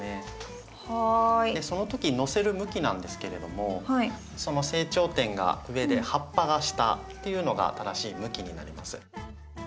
その時のせる向きなんですけれども成長点が上で葉っぱが下っていうのが正しい向きになります。